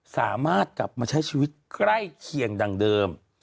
สามารถกลับมาใช้ชีวิตใกล้เคียงดังเดิม